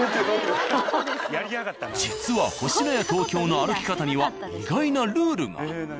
実は「星のや東京」の歩き方には意外なルールが。